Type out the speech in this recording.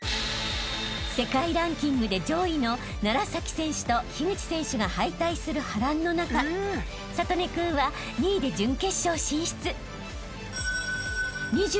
［世界ランキングで上位の楢崎選手と樋口選手が敗退する波乱の中智音君は２位で準決勝進出］